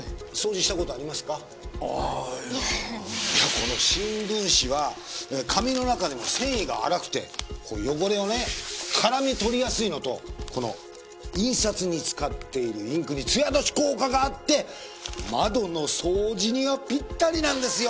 この新聞紙は紙の中でも繊維が粗くて汚れをね絡め取りやすいのとこの印刷に使っているインクにつや出し効果があって窓の掃除にはぴったりなんですよ。